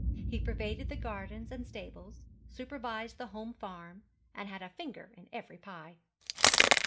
He pervaded the gardens and stables, supervised the home farm, and had a finger in every pie.